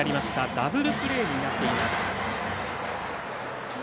ダブルプレーになっています。